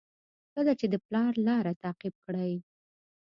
کله چې د پلار لاره تعقیب کړئ.